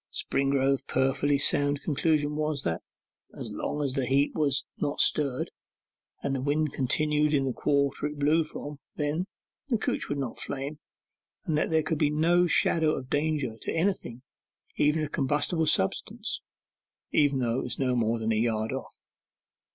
Springrove's perfectly sound conclusion was, that as long as the heap was not stirred, and the wind continued in the quarter it blew from then, the couch would not flame, and that there could be no shadow of danger to anything, even a combustible substance, though it were no more than a yard off.